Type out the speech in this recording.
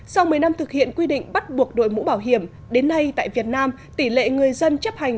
sau một mươi năm thực hiện quy định bắt buộc đội mũ bảo hiểm đến nay tại việt nam tỷ lệ người dân chấp hành